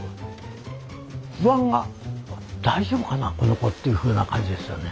「大丈夫かなこの子」っていうふうな感じですよね。